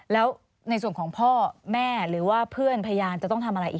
แล้วในส่วนของพ่อแม่หรือว่าเพื่อนพยานจะต้องทำอะไรอีก